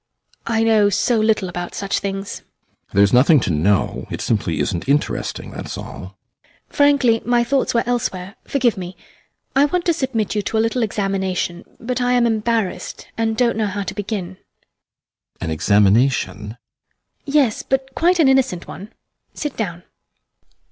HELENA. I know so little about such things! ASTROFF. There is nothing to know. It simply isn't interesting, that's all. HELENA. Frankly, my thoughts were elsewhere. Forgive me! I want to submit you to a little examination, but I am embarrassed and don't know how to begin. ASTROFF. An examination? HELENA. Yes, but quite an innocent one. Sit down.